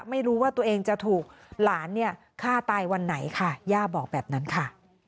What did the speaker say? ไม่รู้ว่าตัวเองจะถูกหลานเนี่ยฆ่าตายวันไหนค่ะย่าบอกแบบนั้นค่ะ